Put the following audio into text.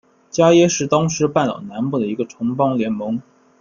伽倻是当时半岛南部的一个城邦联盟。